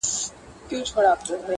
او دی یې هغه اړخ بیان کړی دی